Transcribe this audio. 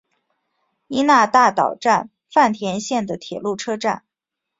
伊那大岛站饭田线的铁路车站。